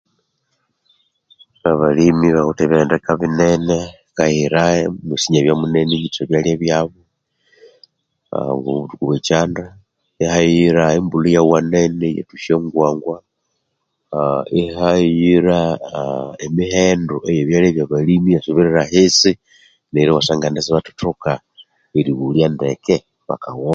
Abalimi bawithe ebihendeka binene hakayira omwisi inyabya munene initha ebyalya ah obuthuku bwekyanda ihayira embulha iyabya nyinene iyathwa nesyongwangwa aah ihayira emihendo eyebyalya byabalimi iyasubirira ahisi neryo iwasanga sibathathoka erighulya ndeke bakaghoba